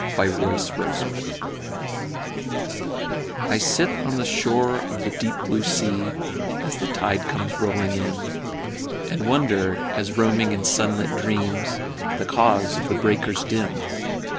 A Summer Reverie I sit on the shore of the deep blue sea As the tide comes rolling in, And wonder, as roaming in sunlit dreams, The cause of the breakers' din.